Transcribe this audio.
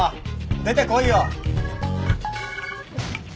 出てこいよ！